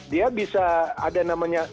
dia bisa ada namanya